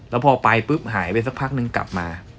แล้วพอไปปุ๊บหายไปสักพักนึงกลับมา